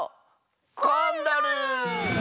コンドル！